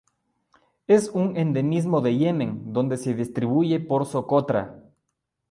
Es un endemismo de Yemen donde se distribuye por Socotra.